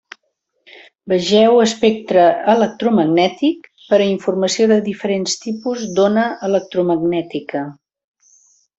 Vegeu Espectre electromagnètic per a informació de diferents tipus d'ona electromagnètica.